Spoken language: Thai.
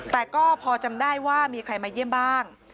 แต่ก็พอจำได้ว่ามีใครมาเยี่ยมบ้าง